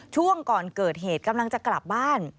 ช่วงก่อนเกิดเหตุกำลังจะกลับบ้าน